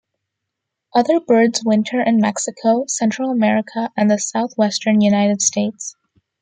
Other birds winter in Mexico, Central America, and the south-western United States.